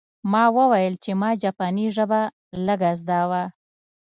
ما وویل چې ما جاپاني ژبه لږه زده وه